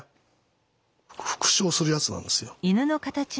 復唱するやつなんですよ。